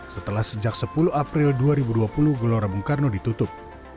setelah sejak sepuluh april dua ribu dua puluh gelora bung karno ditutup